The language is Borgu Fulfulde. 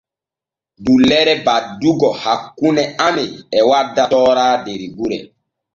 Dullere baddugo hakkune amen e wadda toora der gure.